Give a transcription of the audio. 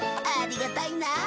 ありがたいな。